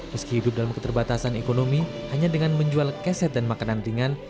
meski hidup dalam keterbatasan ekonomi hanya dengan menjual keset dan makanan ringan